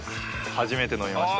初めて飲みました。